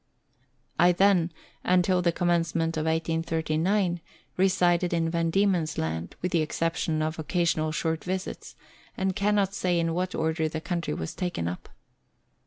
I then, until the commencement of 1839, resided in Van Diemen's Land (with the exception of occasional short visits), and cannot say in what order the country was taken up.